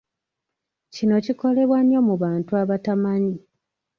Kino kikolebwa nnyo mu bantu abatamanyi.